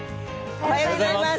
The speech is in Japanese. おはようございます。